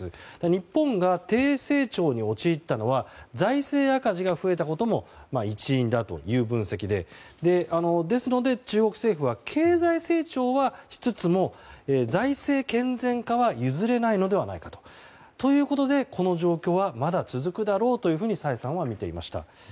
日本が低成長に陥ったのは財政赤字が増えたことも一因だという分析でですので、中国政府は経済成長はしつつも財政健全化は譲れないのではないかと。ということで、この状況はまだ続くだろうと崔さんは見ていました。